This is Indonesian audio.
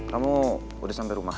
kamu udah sampai rumah